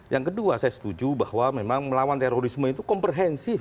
yang kedua saya setuju bahwa memang melawan terorisme itu komprehensif